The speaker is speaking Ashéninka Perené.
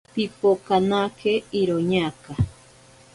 Pipokanake iroñaka.